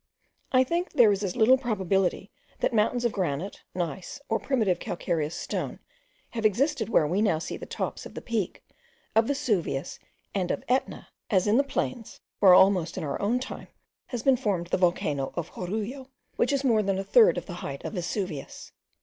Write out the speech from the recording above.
I think there is as little probability that mountains of granite, gneiss, or primitive calcareous stone have existed where we now see the tops of the Peak, of Vesuvius, and of Etna, as in the plains where almost in our own time has been formed the volcano of Jorullo, which is more than a third of the height of Vesuvius.